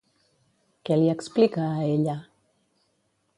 Què li explica a ella?